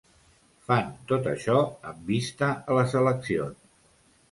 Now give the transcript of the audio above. Fan tot això amb vista a les eleccions.